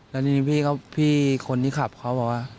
แล้วนี่พี่คนที่ขับเขาบอกว่า